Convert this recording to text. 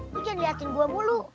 lu jangan liatin gua mulu